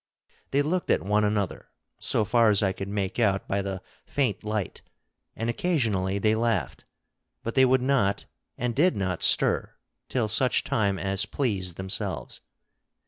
They looked at one another, so far as I could make out by the faint light, and occasionally they laughed; but they would not and did not stir till such time as pleased themselves.